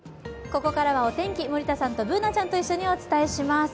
ここからはお天気、森田さんとＢｏｏｎａちゃんと一緒にお伝えします